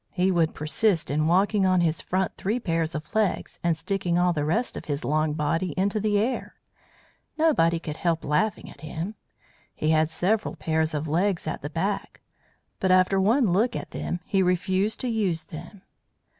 He would persist in walking on his front three pairs of legs and sticking all the rest of his long body into the air. Nobody could help laughing at him. He had several pairs of legs at the back, but after one look at them he refused to use them.